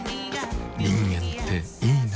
人間っていいナ。